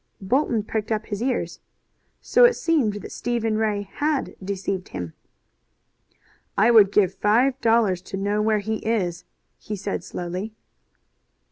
Bolton pricked up his ears. So it seemed that Stephen Ray had deceived him. "I would give five dollars to know where he is," he said slowly.